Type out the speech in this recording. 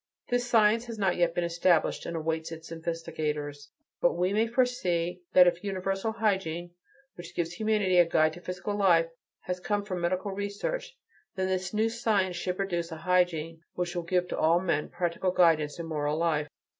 This science has not yet been established, and awaits its investigators; but we may foresee that if universal hygiene, which gives humanity a guide to physical life, has come from medical research, then this new science should produce a hygiene which will give to all men practical guidance in moral life.